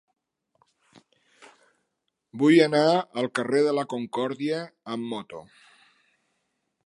Vull anar al carrer de la Concòrdia amb moto.